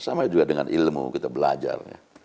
sama juga dengan ilmu kita belajar